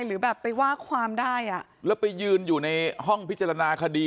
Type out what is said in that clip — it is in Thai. หรือแบบไปว่าความได้อ่ะแล้วไปยืนอยู่ในห้องพิจารณาคดี